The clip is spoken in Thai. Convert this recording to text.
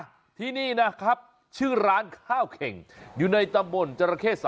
ชีวิตของเราร้านข้าวเข่งอยู่ในตำบลจริง